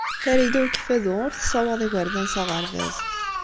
Farida n Ukeffadu ur tessawaḍ igerdan s aɣerbaz.